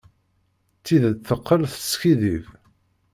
Tidet teqqel teskiddib.